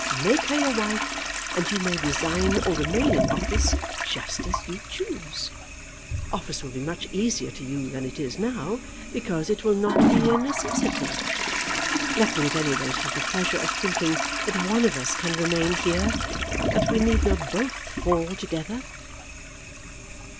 Make her your wife, and you may resign or remain in office just as you choose. Office will be much easier to you than it is now, because it will not be a necessity. Let me at any rate have the pleasure of thinking that one of us can remain here, that we need not both fall together."